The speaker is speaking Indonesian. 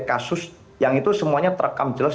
kasus yang itu semuanya terekam jelas